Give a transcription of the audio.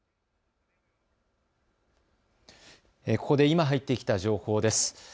ここで今入ってきた情報です。